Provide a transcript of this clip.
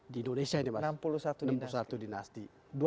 di indonesia ini mas enam puluh satu dinasti